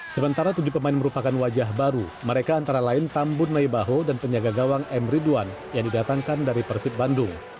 sementara tujuh pemain merupakan wajah baru mereka antara lain tambun naibaho dan penyaga gawang m ridwan yang didatangkan dari persib bandung